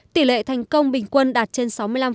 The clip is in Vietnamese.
tỷ lệ thành công bình quân đạt trên sáu mươi năm